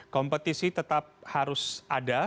kompetisi tetap harus ada